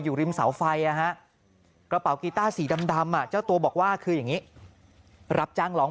อยู่ริมเสาไฟกระเป๋ากีต้าสีดำเจ้าตัวบอกว่าคืออย่างนี้รับจ้างร้อง